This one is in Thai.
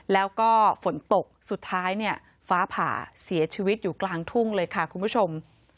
แล้วก็ฝนตกสุดท้ายเนี่ยฟ้าผ่าเสียชีวิตอยู่กลางทุ่งเลยค่ะคุณผู้ชม